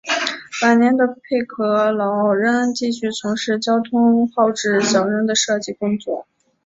晚年的佩格劳仍继续从事交通号志小人的设计工作。